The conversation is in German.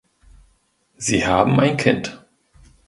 Sie haben ein Kind.